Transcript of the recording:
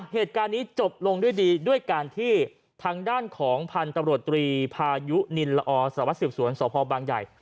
เหตุการณ์นี้จบลงด้วยดีด้วยการที่ทางด้านของพันธุ์ตำรวจตรีพายุนินละอสวัสสืบสวนสพบางใหญ่